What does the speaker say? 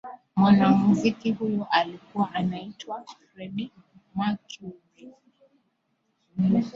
mwanamuziki huyo alikuwa anaitwa freddie mercury